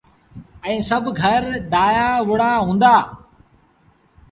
ائيٚݩ سڀ گھر ڊهي وُهرآ هُݩدآ۔